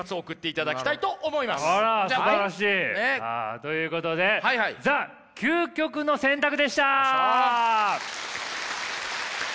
ということでザ・究極の選択でした！